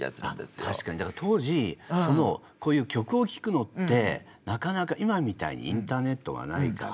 確かにだから当時そのこういう曲を聴くのってなかなか今みたいにインターネットがないから。